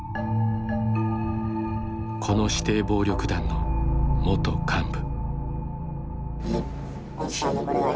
この指定暴力団の元幹部。